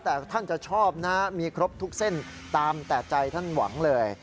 แต่ท่านจะชอบนะมีครบทุกเส้นตามแต่ใจท่านหวังเลย